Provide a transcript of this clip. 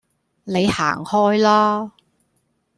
你行開啦